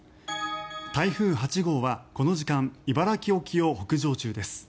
台風８号は、この時間茨城沖を北上中です。